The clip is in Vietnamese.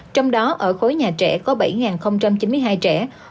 trong đó ở khối nhà trẻ có bảy chín mươi hai trẻ